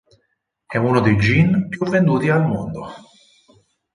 È uno dei gin più venduti al mondo.